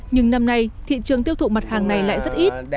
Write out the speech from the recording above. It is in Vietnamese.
nhưng năm nay thị trường tiêu thụ mặt hàng này lại rất ít